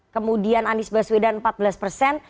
kemudian anies baswedan empat belas persen